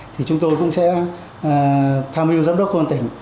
thì chúng tôi cũng sẽ tham mưu giám đốc công an tỉnh